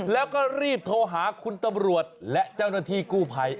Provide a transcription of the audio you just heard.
แล้วก็รีบโทรหาคุณตำรวจและเจ้าหน้าที่กู้ภัย